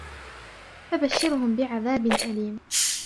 فبشرهم بعذاب أليم